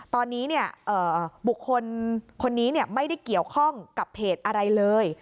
ตอนนี้บุคคลคนนี้ไม่ได้เกี่ยวข้องกับเพจอะไรเลย